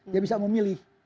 dia bisa memilih